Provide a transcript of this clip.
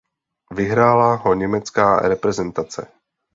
Vyhrála ho německá reprezentace.